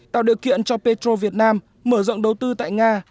tạo điều kiện cho petro việt nam mở rộng đầu tư tại nga